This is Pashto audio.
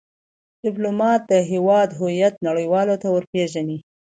ډيپلومات د هیواد هویت نړېوالو ته ور پېژني.